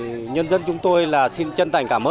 vậy thì nhân dân chúng tôi là sự nghiêm minh của pháp luật